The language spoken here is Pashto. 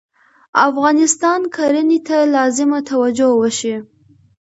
افغانستان کرهنې ته لازمه توجه وشي